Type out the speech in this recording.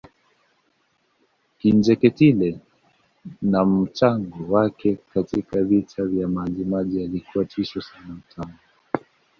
Kinjeketile na mchango wake katika Vita ya Majimaji Alikuwa tishio sana mtaani